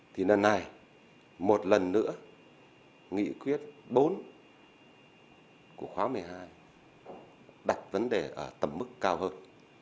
thì lần này một lần nữa nghị quyết bốn của khóa một mươi hai đặt vấn đề ở tầm mức cao hơn